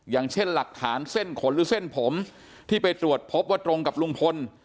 อย่างเช่นหลักฐานเส้นขนหรือเส้นผมที่ไปตรวจพบว่าตรงกับลุงพล